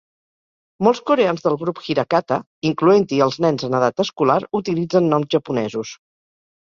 Molts coreans del grup Hirakata, incloent-hi els nens en edat escolar, utilitzen noms japonesos.